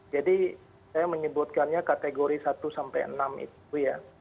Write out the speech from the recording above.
jadi saya menyebutkannya kategori satu sampai enam itu ya